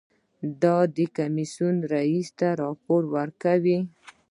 دا د کمیسیون رییس ته راپور ورکوي.